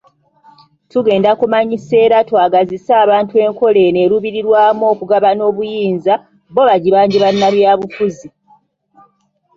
Tugenda kumanyisa era twagazise abantu enkola eno eruubirirwamu okugabana obuyinza, bo bagibanje bannabyabufuzi.